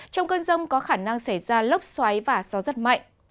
trong cơn rông có khả năng xảy ra lốc xoáy và gió rất mạnh